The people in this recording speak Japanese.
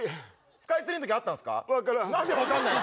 スカイツリーのとき、あった分からん。